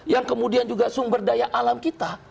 yang kemudian juga sumber daya alam kita